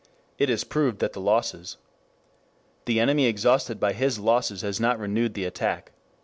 'it is proved that the losses' ... 'the enemy exhausted by his losses has not renewed the attack'